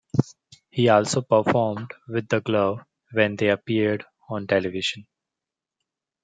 He also performed with The Glove when they appeared on television.